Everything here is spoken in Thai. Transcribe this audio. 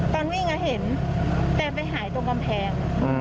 ตอนวิ่งเห็นแต่ไปหายตรงกำแพง